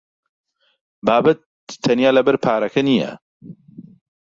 بابەت تەنیا لەبەر پارەکە نییە.